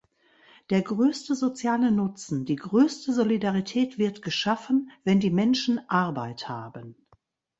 Der größte soziale Nutzen, die größte Solidarität wird geschaffen, wenn die Menschen Arbeit haben.